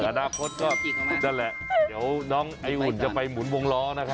อนาคตก็นั่นแหละเดี๋ยวน้องไออุ่นจะไปหมุนวงล้อนะครับ